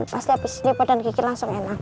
pas lepas ini badan kiki langsung enakan